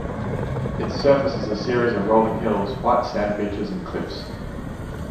Its surface is a series of rolling hills, white sand beaches and cliffs.